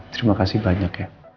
terima kasih banyak ya